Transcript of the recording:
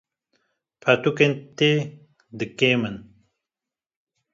Pirtûkên tê de kêm in.